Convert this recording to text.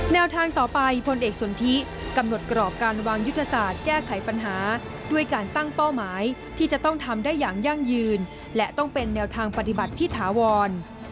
แนวทางต่อไปพลเอกสนทิกำหนดกรอบการวางยุทธศาสตร์แก้ไขปัญหาด้วยการตั้งเป้าหมายที่จะต้องทำได้อย่างยั่งยืนและต้องเป็นแนวทางปฏิบัติที่ถาวร